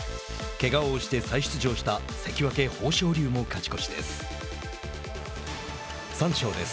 けがを押して再出場した関脇・豊昇龍も勝ち越しです。